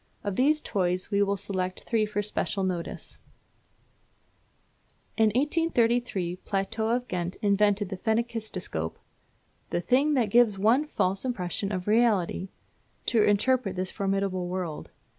Of these toys we will select three for special notice. In 1833 Plateau of Ghent invented the phenakistoscope, "the thing that gives one a false impression of reality" to interpret this formidable word.